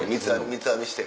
三つ編みして。